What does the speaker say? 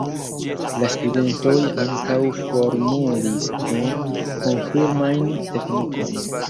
La studentoj ankaŭ formulis kvin "konfirmajn teknikojn".